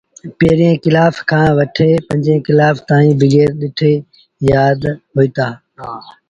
پيريٚݩ ڪلآس کآݩ وٺي پنجيٚن ڪلآس تائيٚݩ بيگر ڏٺي يآد هوئيٚتآ۔